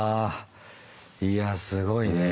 いやすごいね。